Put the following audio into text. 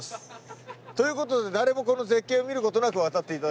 ということで誰もこの絶景を見ることなく渡ってもらいます。